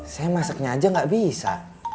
saya masaknya aja gak bisa